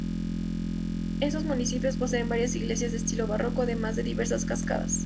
Esos municipios poseen varias iglesias de estilo barroco, además de diversas cascadas.